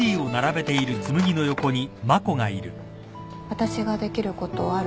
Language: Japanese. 私ができることある？